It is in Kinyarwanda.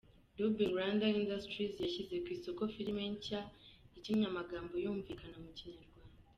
Dubbing Rwanda Industries yashyize ku isoko filimi nshya ikinnye amagambo yumvikana mu Kinyarwanda.